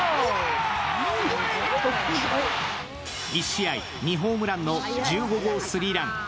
１試合２ホームランの１５号スリーラン。